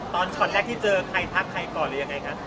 ช็อตแรกที่เจอใครทักใครก่อนหรือยังไงคะ